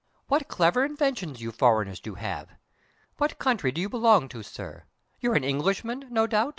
"What clever inventions you foreigners do have! What country do you belong to, sir? You're an Englishman, no doubt!"